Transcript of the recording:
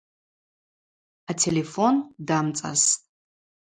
Ателефон дамцӏастӏ.